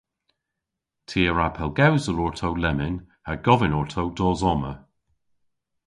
Ty a wra pellgewsel orto lemmyn ha govyn orto dos omma.